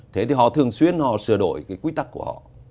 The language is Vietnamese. thế thì họ thường xuyên họ sửa đổi cái quy tắc của họ